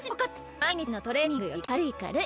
毎日のトレーニングより軽い軽い！